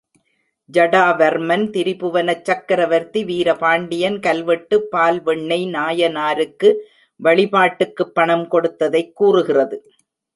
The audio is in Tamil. ஜடாவர்மன் திரிபுவனச் சக்கரவர்த்தி வீர பாண்டியன் கல்வெட்டு பால்வெண்ணெய் நாயனாருக்கு வழிபாட்டுக்குப் பணம் கொடுத்ததைக் கூறுகிறது.